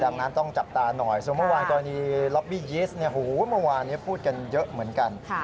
ดังนั้นต้องจับตาหน่อยส่วนเมื่อวานกรณีล็อบบี้ยีสเมื่อวานพูดกันเยอะเหมือนกัน